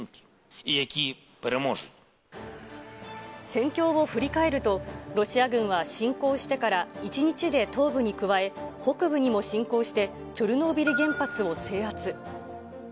戦況を振り返ると、ロシア軍は侵攻してから１日で東部に加え、北部にも侵攻して、チョルノービリ原発を制圧。